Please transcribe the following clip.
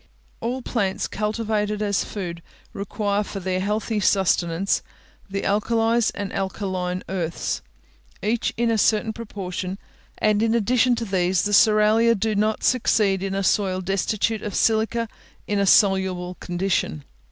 All plants cultivated as food require for their healthy sustenance the alkalies and alkaline earths, each in a certain proportion; and in addition to these, the cerealia do not succeed in a soil destitute of silica in a soluble condition.